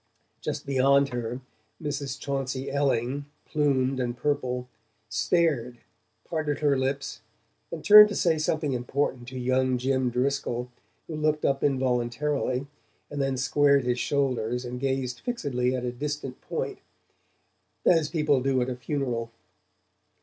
Just beyond her, Mrs. Chauncey Elling, plumed and purple, stared, parted her lips, and turned to say something important to young Jim Driscoll, who looked up involuntarily and then squared his shoulders and gazed fixedly at a distant point, as people do at a funeral.